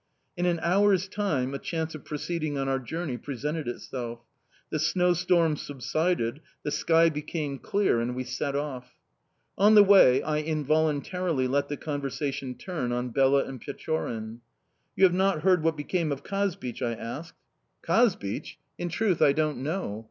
In an hour's time a chance of proceeding on our journey presented itself. The snowstorm subsided, the sky became clear, and we set off. On the way I involuntarily let the conversation turn on Bela and Pechorin. "You have not heard what became of Kazbich?" I asked. "Kazbich? In truth, I don't know.